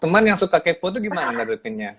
temen yang suka kepo itu gimana rutinnya